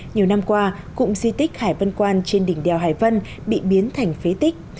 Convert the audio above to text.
nhiều năm qua cụm di tích hải vân quan trên đỉnh đèo hải vân bị biến thành phế tích